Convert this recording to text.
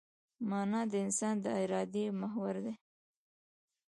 مانا د انسان د ارادې محور دی.